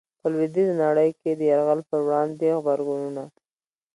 په لويديځي نړۍ کي د يرغل په وړاندي غبرګونونه